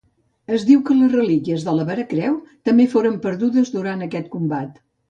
Es diu que les relíquies de la veracreu també foren perdudes durant aquest combat.